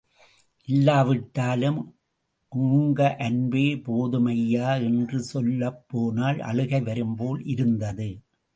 இல்லாவிட்டாலும் ஒங்க அன்பே போதும்ப்யா... என்று சொல்லப்போனால் அழுகை வரும்போல் இருந்தது.